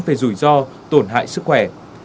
về rủi ro tổn hại sức khỏe